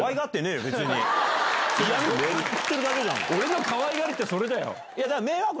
俺のかわいがりってそれだよ。